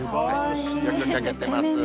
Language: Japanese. よく描けてます。